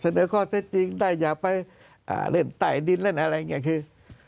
ข้อเท็จจริงได้อย่าไปเล่นใต้ดินเล่นอะไรอย่างนี้คือ